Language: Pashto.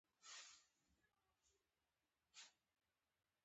هم له سختو ستونزو سره مخ کړې دي.